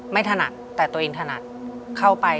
ถนัดแต่ตัวเองถนัดเข้าไป